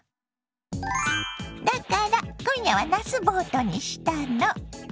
だから今夜はなすボートにしたの。